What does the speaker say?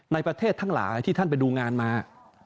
ในประเทศทั้งหลายที่ท่านไปดูงานมา